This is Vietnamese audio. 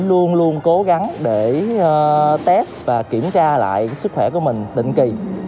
luôn luôn cố gắng để test và kiểm tra lại sức khỏe của mình định kỳ